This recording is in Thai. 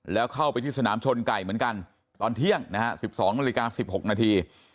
แล้วเข้าไปที่สนามชนไก่เหมือนกันตอนเที่ยงนะฮะ๑๒นาฬิกา๑๖นาที